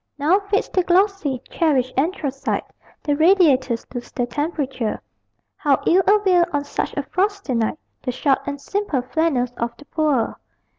Now fades the glossy, cherished anthracite; The radiators lose their temperature: How ill avail, on such a frosty night, The "short and simple flannels of the poor."